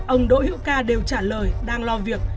ông đỗ hữu ca đều trả lời đang lo việc